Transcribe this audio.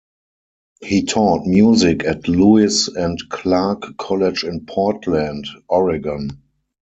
He taught music at Lewis and Clark College in Portland, Oregon.